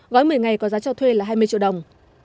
gói một mươi ngày có giá cho thuê là hai mươi triệu đồng